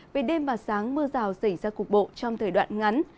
về đêm và sáng mưa rào xảy ra cục bộ trong thời đoạn ngắn